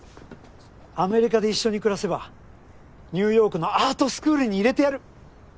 アメリカで一緒に暮らせばニューヨークのアートスクールに入れてやる。